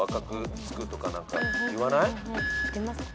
いってみますか？